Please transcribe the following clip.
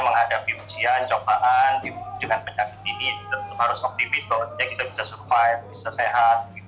menghadapi ujian cobaan di ujungan penyakit ini tentu harus optimis bahwa kita bisa survive bisa